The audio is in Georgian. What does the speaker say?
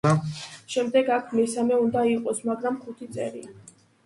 შემდეგ, აქ მესამე უნდა იყოს მაგრამ ხუთი წერია.